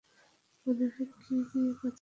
মনে হয় কী নিয়ে কথা বলছি সেটা জানো।